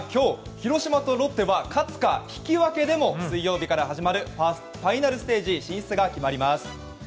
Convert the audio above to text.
広島とロッテは勝つか引き分けでも水曜日から始まるファイナルステージ進出が決まります。